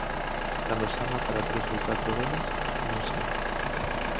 Cando xa matara tres ou catro delas, non sei...